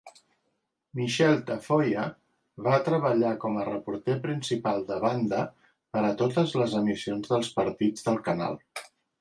Michele Tafoya va treballar com a reporter principal de banda, per a totes les emissions de partits del canal.